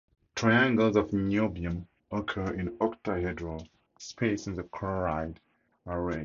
Triangles of niobium occur in octahedral spaces in the chloride array.